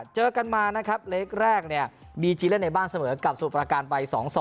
เจอกันมานะครับเล็กแรกเนี่ยบีจีเล่นในบ้านเสมอกับสมุทรประการไป๒๒